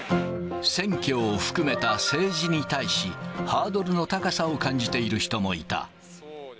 選挙を含めた政治に対し、ハードルの高さを感じている人もいた。